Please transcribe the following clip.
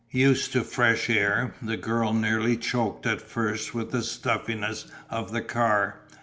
Used to fresh air, the girl nearly choked at first with the stuffiness of the car.